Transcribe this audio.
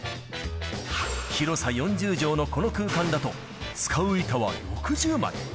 広さ４０畳のこの空間だと、使う板は６０枚。